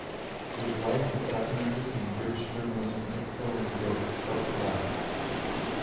His life is documented in British journalist Nick Cohen's book "What's Left".